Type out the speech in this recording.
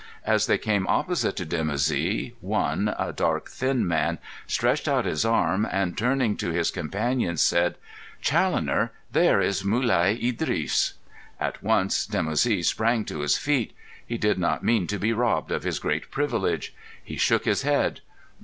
As they came opposite to Dimoussi, one, a dark, thin man, stretched out his arm and, turning to his companion, said: "Challoner, there is Mulai Idris." At once Dimoussi sprang to his feet. He did not mean to be robbed of his great privilege. He shook his head.